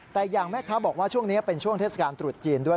แต่อย่างแม่ค้าบอกว่าช่วงนี้เป็นช่วงเทศกาลตรุษจีนด้วย